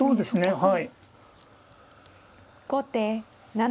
はい。